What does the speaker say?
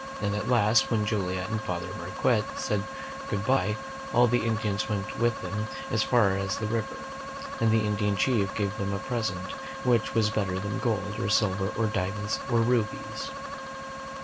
And at last, when Joliet and Father Marquette said good by, all the Indians went with them as far as the river, and the Indian chief gave them a present, which was better than gold, or silver, or diamonds, or rubies.